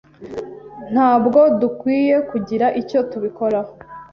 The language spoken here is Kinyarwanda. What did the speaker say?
Ntabwo dukwiye kugira icyo tubikoraho?